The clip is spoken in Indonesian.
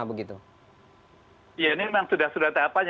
ini memang sudah sudah tahapan